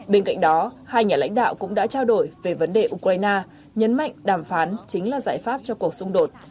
bên cạnh đó hai nhà lãnh đạo cũng đã trao đổi về vấn đề ukraine nhấn mạnh đàm phán chính là giải pháp cho cuộc xung đột